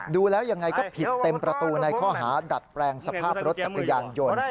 ดูแล้วยังไงก็ผิดเต็มประตูในข้อหาดัดแปลงสภาพรถจักรยานยนต์